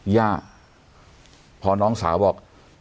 ย่าพอน้องสาวบอก